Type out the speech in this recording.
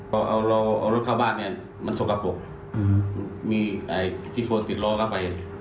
พอเอารถเข้าบ้านมันสกปรกมีไอ้ที่ควรติดล้อเข้าไป